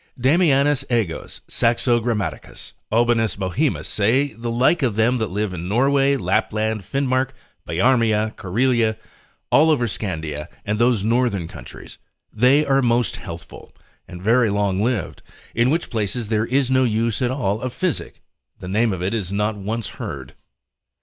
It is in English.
Damianus A Goes, Saxo Grammaticus, Aubanus Bohemus, say the like of them that live in Norway, Lapland, Finmark, Biarmia, Corelia, all over Scandia, and those northern countries, they are most healthful, and very long lived, in which places there is no use at all of physic, the name of it is not once heard.